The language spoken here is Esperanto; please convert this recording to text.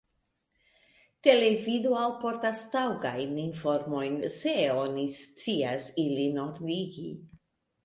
Televido alportas taŭgajn informojn, se oni scias ilin ordigi.